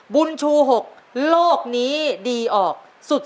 บุญชู๖โลกนี้ดีออกสุด